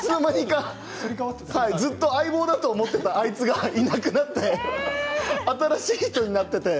ずっと相棒だと思っていたあいつが、いつの間にかいなくなって新しい人になっていて。